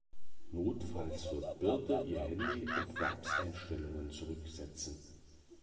Notfalls wird Birte ihr Handy auf Werkseinstellungen zurücksetzen.